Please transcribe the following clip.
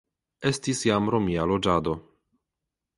Estis jam romia loĝado.